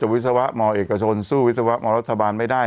วิศวะมเอกชนสู้วิศวะมรัฐบาลไม่ได้